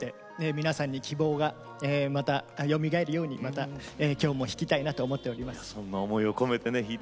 皆さんに希望がまた、よみがえるように今日も弾きたいなと思っています。